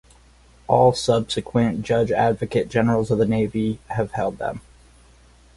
All subsequent Judge Advocate Generals of the Navy have held them.